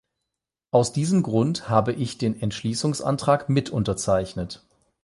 Aus diesem Grund habe ich den Entschließungsantrag mit unterzeichnet.